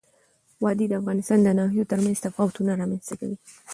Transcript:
وادي د افغانستان د ناحیو ترمنځ تفاوتونه رامنځ ته کوي.